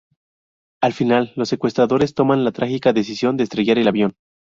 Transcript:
Al final, los secuestradores toman la trágica decisión de estrellar el avión.